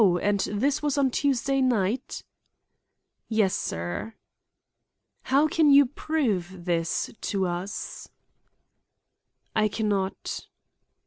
and this was on Tuesday night?" "Yes, sir." "How can you prove this to us?" "I can not."